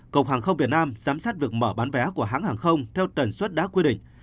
cộng hàng không việt nam giám sát việc mở bán vé của hãng hàng không theo tuần suốt đã quy định